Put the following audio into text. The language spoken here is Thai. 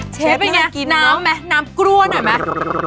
เชฟอย่างนี้น้ำไหมน้ำกล้วหน่อยไหม